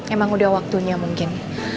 emang udah waktunya mungkin